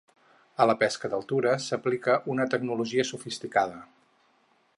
A la pesca d'altura s'aplica una tecnologia sofisticada.